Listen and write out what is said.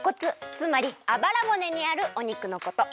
つまりあばらぼねにあるお肉のこと。